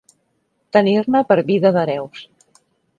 Tenir-ne per vida d'hereus.